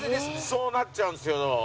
そうなっちゃうんですよ。